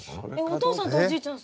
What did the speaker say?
お父さんとおじいちゃん